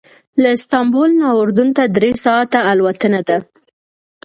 له استانبول نه اردن ته درې ساعته الوتنه ده.